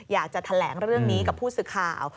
อยากจะแถลงเรื่องนี้กับผู้สื่อข่าว